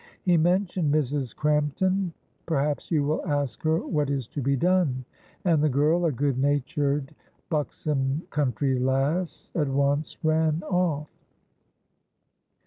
He mentioned Mrs. Crampton; perhaps you will ask her what is to be done," and the girl, a good natured, buxom country lass, at once ran off.